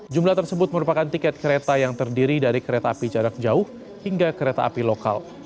jumlah tersebut merupakan tiket kereta yang terdiri dari kereta api jarak jauh hingga kereta api lokal